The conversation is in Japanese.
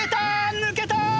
抜けた！